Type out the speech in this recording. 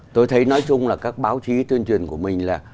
tôi thấy nói chung là các báo chí tuyên truyền của mình là